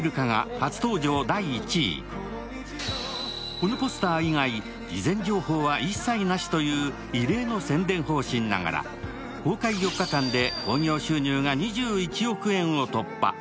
このポスター以外、事前情報は一切なしという異例の宣伝方針ながら公開４日間で興行収入が２１億円を突破。